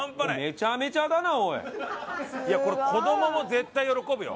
いやこれ子どもも絶対喜ぶよ。